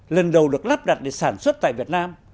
lần đầu được lắp đặt để sản xuất tại việt nam